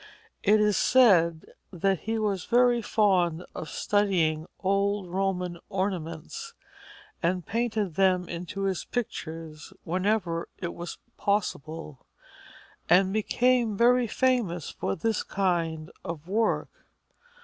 It is said that he was very fond of studying old Roman ornaments and painted them into his pictures whenever it was possible, and became very famous for this kind of work.